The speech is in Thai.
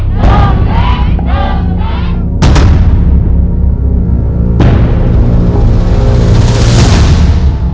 คุณฝนจากชายบรรยาย